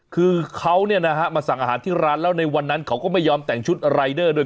คือเขามาสั่งอาหารที่ร้านแล้วในวันนั้นเขาก็ไม่ยอมแต่งชุดรายเดอร์ด้วย